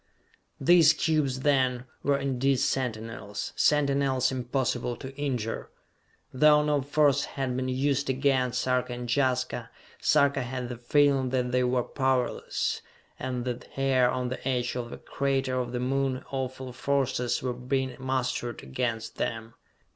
These cubes then, were indeed sentinels sentinels impossible to injure. Though no force had been used against Sarka and Jaska, Sarka had the feeling that they were powerless, and that here on the edge of a crater of the Moon awful forces were being mustered against them.